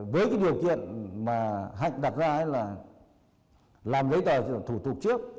với điều kiện mà hạnh đặt ra là làm lấy tòa thủ tục trước